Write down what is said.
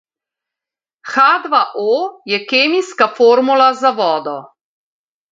H dva O je kemijska formula za vodo.